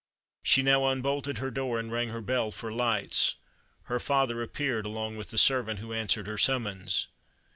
She now unbolted her door, and rang her bell for lights. Her father appeared along with the servant who answered her summons.